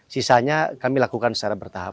sisanya kami lakukan secara bertahap